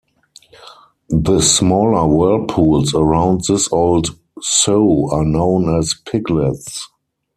The smaller whirlpools around this Old Sow are known as Piglets.